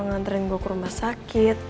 nganterin gue ke rumah sakit